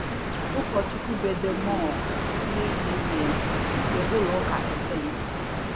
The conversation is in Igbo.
ụkọchukwu Bedemoore Obiekezie nke ụlọuka 'St